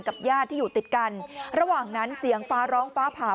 ญาติที่อยู่ติดกันระหว่างนั้นเสียงฟ้าร้องฟ้าผ่า